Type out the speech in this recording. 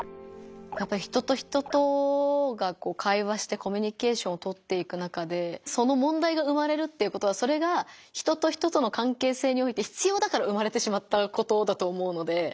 やっぱり人と人とが会話してコミュニケーションをとっていく中でそのもんだいが生まれるっていうことはそれが人と人との関係性において必要だから生まれてしまったことだと思うので。